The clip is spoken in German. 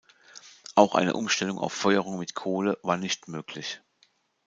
Auch eine Umstellung auf Feuerung mit Kohle war nicht möglich.